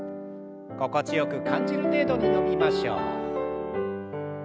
心地よく感じる程度に伸びましょう。